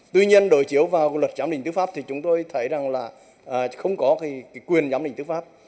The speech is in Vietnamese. tuy nhiên đổi chiếu vào luật giám định tư pháp thì chúng tôi thấy rằng là không có quyền giám định tư pháp